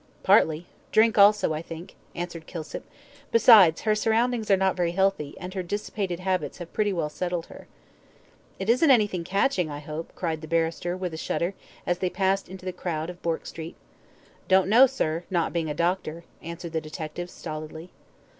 "Partly; drink also, I think," answered Kilsip. "Besides, her surroundings are not very healthy, and her dissipated habits have pretty well settled her." "It isn't anything catching, I hope," cried the barrister, with a shudder, as they passed into the crowd of Bourke Street. "Don't know, sir, not being a doctor," answered the detective, stolidly.